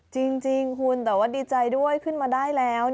จริงคุณแต่ว่าดีใจด้วยขึ้นมาได้แล้ว